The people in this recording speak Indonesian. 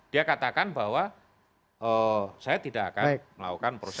dia katakan bahwa saya tidak akan melakukan proses